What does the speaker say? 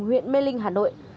huyện mê linh hà nội